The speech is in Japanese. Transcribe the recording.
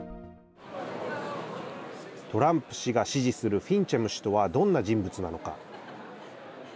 トランプ氏が支持するフィンチェム氏とはどんな人物なのか。